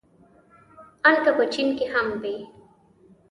ان که په چين کې هم وي.